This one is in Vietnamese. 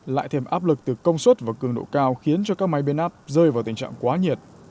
lại thêm áp lực từ công suất và cường độ cao khiến cho các máy biến áp rơi vào tình trạng quá nhiệt